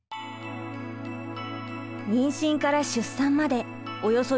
妊娠から出産までおよそ４０週間。